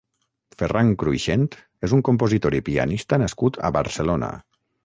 Ferran Cruixent és un compositor i pianista nascut a Barcelona.